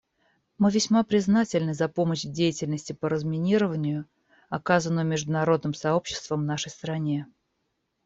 Мы весьма признательны за помощь в деятельности по разминированию, оказанную международным сообществом нашей стране.